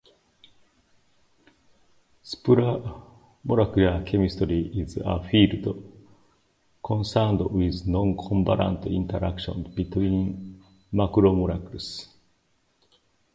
Supramolecular chemistry is a field concerned with non-covalent interactions between macromolecules.